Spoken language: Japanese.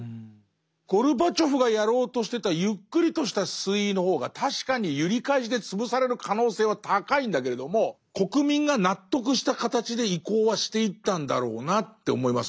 ゴルバチョフがやろうとしてたゆっくりとした推移の方が確かに揺り返しで潰される可能性は高いんだけれども国民が納得した形で移行はしていったんだろうなって思いますね。